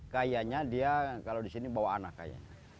kayaknya dia kalau di sini bawa anak kayaknya